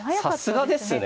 さすがですね。